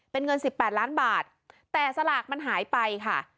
เป็นเงิน๑๘ล้านบาทแต่สลากมันหายไปค่ะ